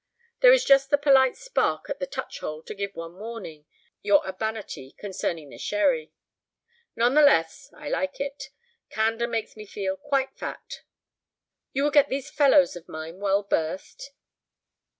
There is just the polite spark at the touch hole to give one warning, your urbanity concerning the sherry. None the less, I like it. Candor makes me feel quite fat." "You will get these fellows of mine well berthed?"